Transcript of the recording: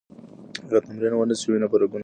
که تمرین ونه شي، وینه په رګونو کې ځنډېږي.